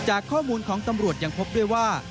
จากข้อมูลของตำรวจยังพบด้วยว่า